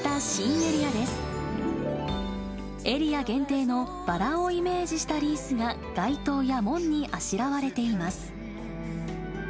エリア限定のバラをイメージしたリースが街灯や門にあしらわれています。